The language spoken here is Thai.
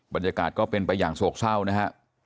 บรรยากาศก็เป็นไปอย่างโศกเศร้านะฮะ